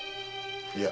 いや。